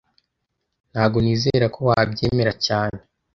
Ntago nizera ko wabyemera cyane